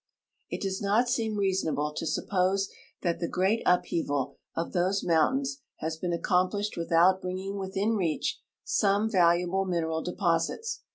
It does not seem reasonable to suppose that the great upheaval of these mountains has been aecom])lislie(l Avithout bringing Avithin reach some valuable mineral de])osits.